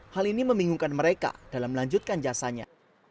hal ini membingungkan mereka dalam melanjutkan jasanya